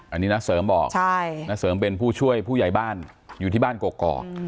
อันนี้น้าเสริมบอกณเสริมเป็นผู้ช่วยผู้ใหญ่บ้านอยู่ที่บ้านกอก